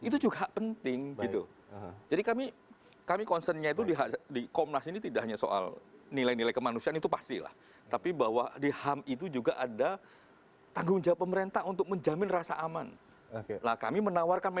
terima kasih prof ikam